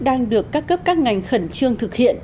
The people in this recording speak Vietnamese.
đang được các cấp các ngành khẩn trương thực hiện